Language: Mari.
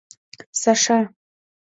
— Саша...